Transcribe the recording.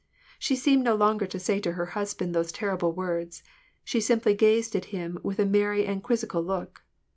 She seemed no longer to say to her husband those terrible words : she simply gazed at him with a merry and quizzical look.